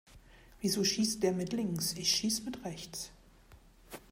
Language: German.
Wieso schießt der mit links? Ich schieß mit rechts.